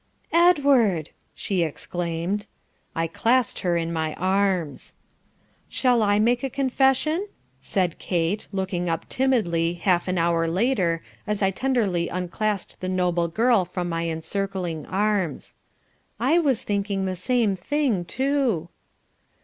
"'Edward!' she exclaimed. "I clasped her in my arms. "'Shall I make a confession,' said Kate, looking up timidly, half an hour later, as I tenderly unclasped the noble girl from my encircling arms, ...'I was thinking the same thing too.'"